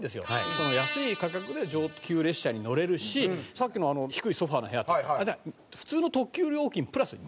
その安い価格で上級列車に乗れるしさっきの低いソファの部屋とか普通の特急料金プラス２００円ですよ。